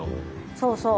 そうそう。